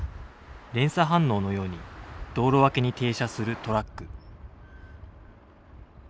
連鎖反応のように道路脇に停車するトラック。